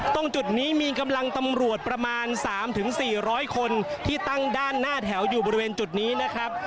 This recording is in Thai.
ตรงจุดนี้มีกำลังตำรวจประมาณ๓๔๐๐คนที่ตั้งด้านหน้าแถวอยู่บริเวณจุดนี้นะครับ